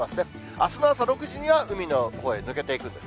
あすの朝６時には、海の方へ抜けていくんです。